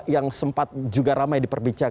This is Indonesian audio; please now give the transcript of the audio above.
yang sempat juga ramai diperbincangkan